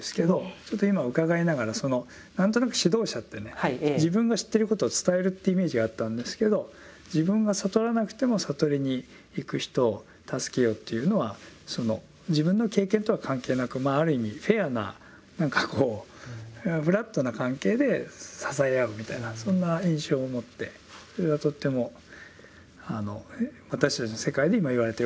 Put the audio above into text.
ちょっと今伺いながらその何となく指導者ってね自分が知ってることを伝えるってイメージがあったんですけど自分が悟らなくても悟りに行く人を助けようというのは自分の経験とは関係なくまあある意味フェアな何かこうフラットな関係で支え合うみたいなそんな印象を持ってそれがとっても私たちの世界で今言われてることに近いなと思って。